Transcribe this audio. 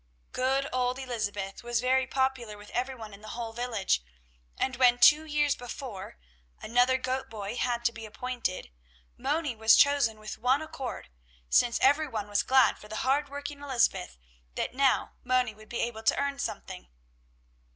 Good old Elizabeth was very popular with every one in the whole village, and when, two years before, another goat boy had to be appointed, Moni was chosen with one accord, since every one was glad for the hard working Elizabeth that now Moni would be able to earn something.